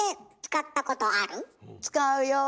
使うよ。